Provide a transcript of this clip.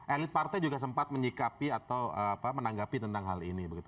elit partai juga sempat menyikapi atau menanggapi tentang hal ini